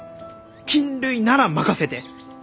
菌類なら任せて！